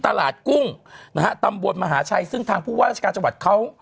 ตลาดกุ้งนะฮะตำบลมหาชัยซึ่งทางผู้ว่าราชการจังหวัดเขา